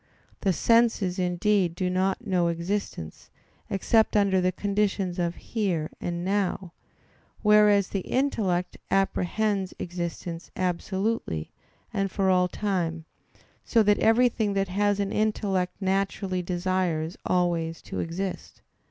The senses indeed do not know existence, except under the conditions of "here" and "now," whereas the intellect apprehends existence absolutely, and for all time; so that everything that has an intellect naturally desires always to exist.